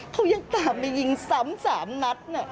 เขายังตามไปยิงสามนัด